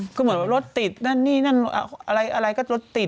ก็เหมือนว่ารถติดนั่นนี่นั่นอะไรก็รถติด